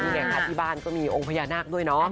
อย่างนั้นที่บ้านก็มีองค์พญานาคด้วยเนอะ